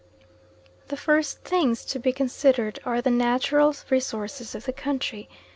The first things to be considered are the natural resources of the country.